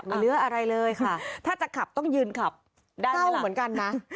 เนื้ออะไรเลยค่ะถ้าจะขับต้องยืนขับได้เร็วเหมือนกันนะ